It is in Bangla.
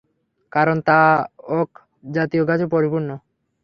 কারণ তা ওক জাতীয় গাছে পরিপূর্ণ।